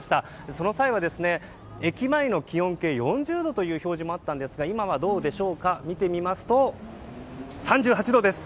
その際は、駅前の気温計４０度と表示もあったんですが今は見てみますと３８度です。